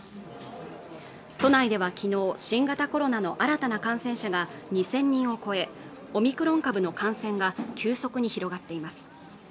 都内ではきのう新型コロナの新たな感染者が２０００人を超えオミクロン株の感染が急速に広がっています